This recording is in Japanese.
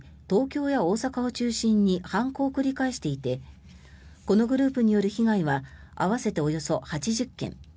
東京や大阪を中心に犯行を繰り返していてこのグループによる被害は合わせておよそ８０件